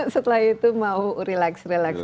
setelah itu mau relax